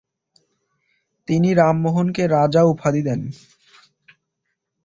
তিনি রামমোহনকে রাজা উপাধি দেন।